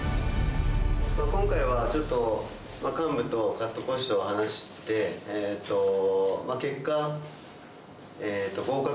今回はちょっと、幹部とカット講師と話して、結果、合格。